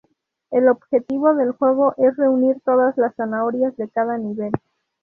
El objetivo del juego es reunir todas las zanahorias de cada nivel.